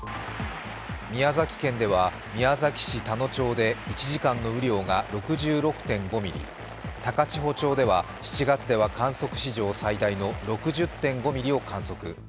宮崎県では宮崎市田野町で１時間の雨量が６６．５ミリ、高千穂町では７月では観測史上最大の６０．５ミリを観測。